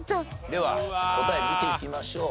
では答え見ていきましょう。